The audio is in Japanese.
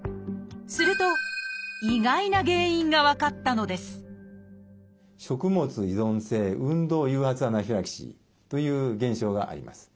すると意外な原因が分かったのですという現象があります。